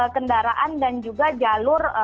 kendaraan dan juga jalur